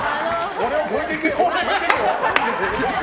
俺を超えていけ！